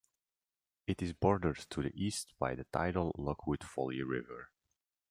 It is bordered to the east by the tidal Lockwood Folly River.